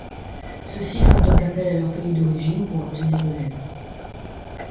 Ceux-ci font donc appel à leur pays d'origine pour obtenir de l’aide.